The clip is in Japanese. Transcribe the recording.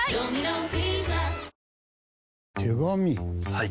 はい。